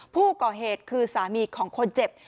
ผู้ก่อเหตุคือสามีของคนเจ็บ